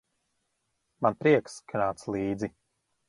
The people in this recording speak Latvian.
Man prieks, ka nāc līdzi.